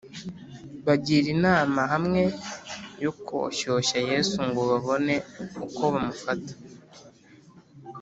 bagira inama hamwe yo koshyoshya Yesu ngo babone uko bamufata